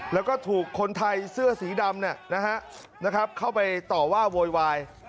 แล้วก็ถูกคนไทยเสื้อสีดำเข้าไปต่อว่าโวยวาย